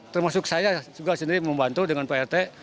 termasuk saya juga sendiri membantu dengan plt